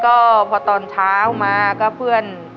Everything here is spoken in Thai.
ก็พอตอนเช้ามาก็เพื่อน